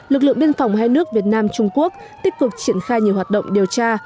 lực lượng biên phòng hai nước việt nam trung quốc tích cực triển khai nhiều hoạt động điều tra